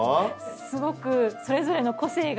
すごくそれぞれの個性が。